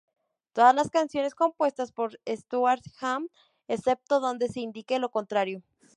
Todas las canciones compuestas por Stuart Hamm, excepto donde se indique lo contrario.